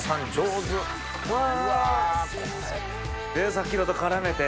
さっきのと絡めて。